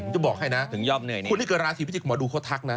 ถูกต้องถึงยอมเหนื่อยนี่คุณที่เกิดลาศีพิจิกษ์หมอดูเขาทักนะ